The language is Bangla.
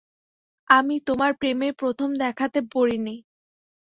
আমি তোমার প্রেমে প্রথম দেখাতে পড়ি নি।